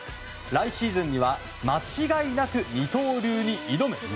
来シーズンには間違いなく二刀流に挑む。